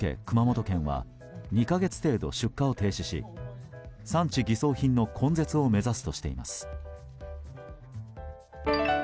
熊本県は２か月程度、出荷を停止し産地偽装品の根絶を目指すとしています。